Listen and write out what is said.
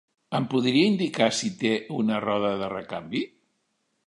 Em podria indicar si té una roda de recanvi?